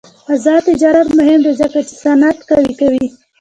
آزاد تجارت مهم دی ځکه چې صنعت قوي کوي.